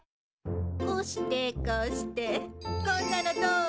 こうしてこうしてこんなのどう？